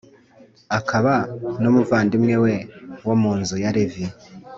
akaba n’umuvandimwe we, wo mu nzu ya Levi.